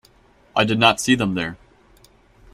I did not see them there.